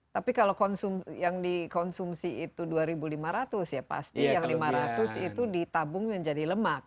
tapi kalau yang dikonsumsi itu dua lima ratus ya pasti yang lima ratus itu ditabung menjadi lemak